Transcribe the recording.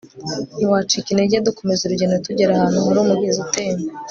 ntitwacika intege dukomeza urugendo tugera ahantu harumugezi utemba